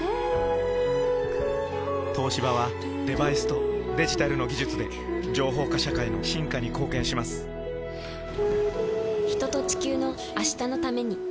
東芝はデバイスとデジタルの技術で情報化社会の進化に貢献します人と、地球の、明日のために。